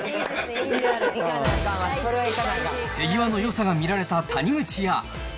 手際のよさが見られた谷口屋。